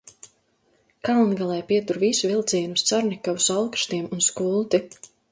Kalngalē pietur visi vilcieni uz Carnikavu, Saulkrastiem un Skulti.